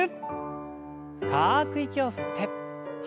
深く息を吸って吐いて。